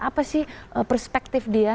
apa sih perspektif dia